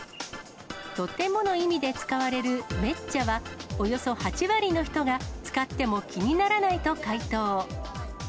とてもの意味で使われるめっちゃは、およそ８割の人が使っても気にならないと回答。